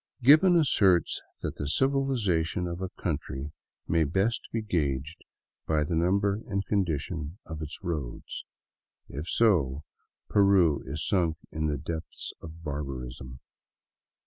Gibbon asserts that the civilization of a country may best be gaged by the number and condition of its roads. If so, northern Peru is sunk in the depths of barbarism.